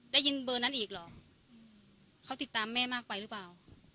ได้ยินเบอร์นั้นอีกเหรอเขาติดตามแม่มากไปหรือเปล่า